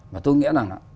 mà tôi nghĩ là